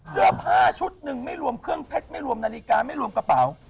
เสื้อผ้าชุดหนึ่งไม่รวมเครื่องเพชรไม่รวมนาฬิกาไม่รวมกระเป๋า